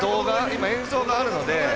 今、映像があるので。